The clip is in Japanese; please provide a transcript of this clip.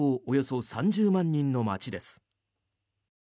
およそ３０万人の街です。